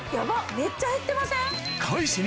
めっちゃ減ってません？